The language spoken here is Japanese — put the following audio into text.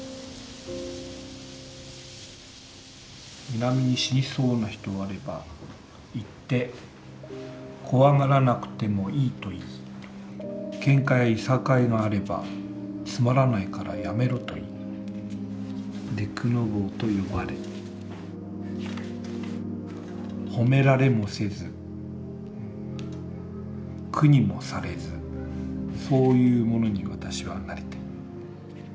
「南に死にそうな人あれば行って恐がらなくてもいいといいケンカや諍いがあればつまらないからやめろといいデクノボーと呼ばれ褒められもせず苦にもされずそういうものに私はなりたい」。